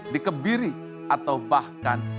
dikebiri atau bahkan